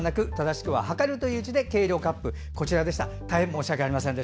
申し訳ありません。